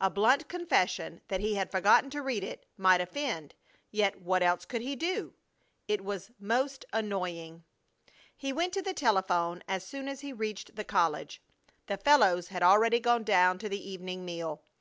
A blunt confession that he had forgotten to read it might offend, yet what else could he do? It was most annoying! He went to the telephone as soon as he reached the college. The fellows had already gone down to the evening meal.